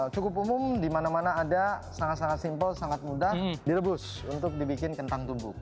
cukup umum di mana mana ada sangat sangat simpel sangat mudah direbus untuk dibikin kentang tubuh